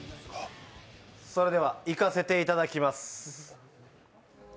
それではいかせていただきます。